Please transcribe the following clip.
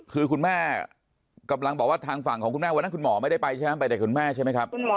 คือคุณแม่กำลังบอกว่าทางฝั่งของคุณแม่วันนั้นคุณหมอไม่ได้ไปใช่ไหมไปแต่คุณแม่ใช่ไหมครับ